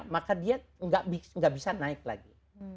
maka dia nggak bisa naik lagi